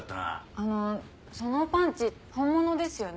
あのそのパンチ本物ですよね？